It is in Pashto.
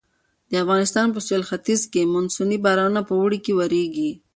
د افغانستان په سویل ختیځ کې مونسوني بارانونه په اوړي کې ورېږي.